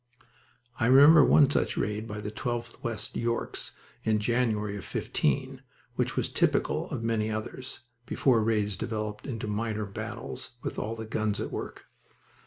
I remember one such raid by the 12th West Yorks in January of '15, which was typical of many others, before raids developed into minor battles, with all the guns at work.